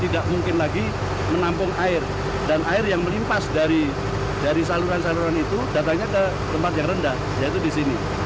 dan air yang melimpas dari saluran saluran itu datangnya ke tempat yang rendah yaitu di sini